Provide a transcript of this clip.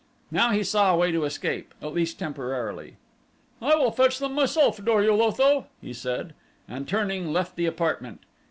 Now he saw a way to escape, at least temporarily. "I will fetch them myself, Dor ul Otho," he said, and turning, left the apartment.